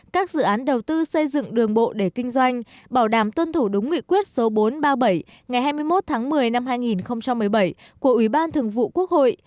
các dự án đầu tư xây dựng đường bộ để kinh doanh bảo đảm tuân thủ đúng nguyện quyết số bốn trăm ba mươi bảy ngày hai mươi một tháng một mươi năm hai nghìn một mươi bảy của ủy ban thường vụ quốc hội